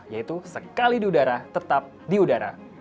yaitu sekali di udara tetap di udara